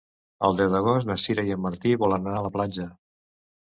El deu d'agost na Sira i en Martí volen anar a la platja.